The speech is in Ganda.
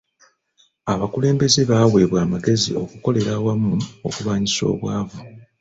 Abakulembeze baweebwa amagezi okukolera awamu okulwanyisa obwavu.